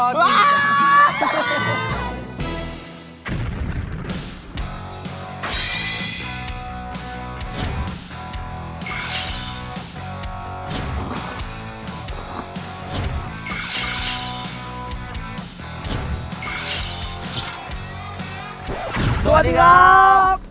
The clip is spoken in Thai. สวัสดีครับ